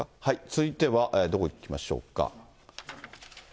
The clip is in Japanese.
続いては、どこ行きましょうか。